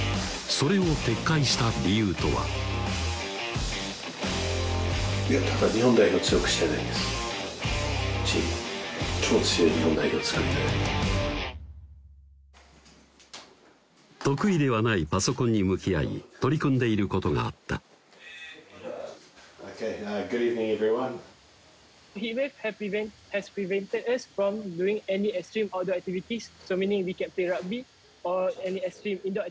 それを撤回した理由とは得意ではないパソコンに向き合い取り組んでいることがあったＯＫ！